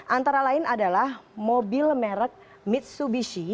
antara lain adalah mobil merek mitsubishi